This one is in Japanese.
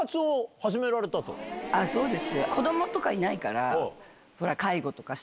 そうです。